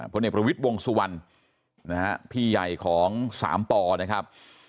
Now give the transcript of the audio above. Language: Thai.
คนเอกประวิทธิ์วงศ์สุวรรณพี่ใหญ่ของสามปอนะครับ